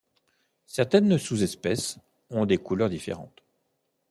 Certaines sous-espèces ont des couleurs différentes.